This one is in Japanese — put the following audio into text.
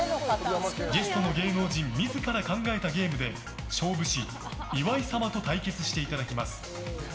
ゲストの芸能人自ら考えたゲームで勝負師、岩井様と対決していただきます。